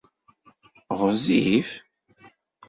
Ɣezzif?